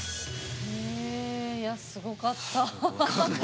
えいやすごかった。